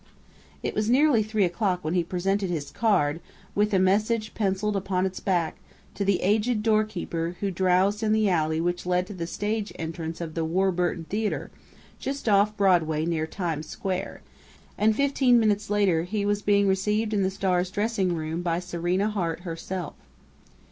It was nearly three o'clock when he presented his card, with a message pencilled upon its back, to the aged doorkeeper who drowsed in the alley which led to the stage entrance of the Warburton Theater, just off Broadway near Times Square, and fifteen minutes later he was being received in the star's dressing room by Serena Hart herself.